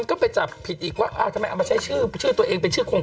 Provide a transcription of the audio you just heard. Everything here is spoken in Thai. ก็ไปจับผิดอีกว่าอ้าวทำไมเอามาใช้ชื่อตัวเองเป็นชื่อคง